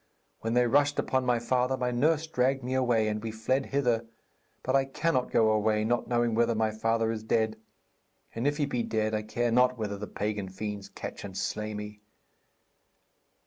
When they rushed upon my father, my nurse dragged me away, and we fled hither. But I cannot go away, not knowing whether my father is dead. And if he be dead I care not whether the pagan fiends catch and slay me.'